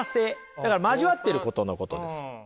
だから交わってることのことです。